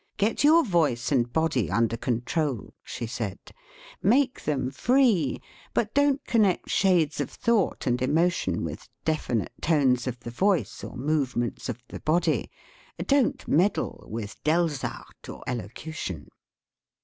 "Get your voice and body under control," she said, "make them 34 DISCUSSION free, but don't connect shades of thought and emotion with definite tones of the voice or movements of the body; don't meddle with Delsarte or elocution."